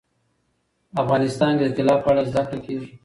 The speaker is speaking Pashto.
افغانستان کې د طلا په اړه زده کړه کېږي.